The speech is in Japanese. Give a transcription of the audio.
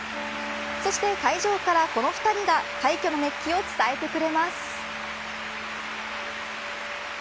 そして会場から、この２人が快挙の熱気を伝えてくれます。